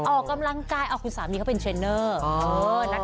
ออกกำลังกายเอาคุณสามีเขาเป็นเทรนเนอร์